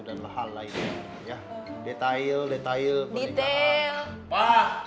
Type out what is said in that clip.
dan hal lainnya ya detail detail pernikahan